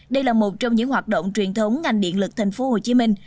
đây là một trong những hoạt động truyền thống ngành điện lực thành phố hồ chí minh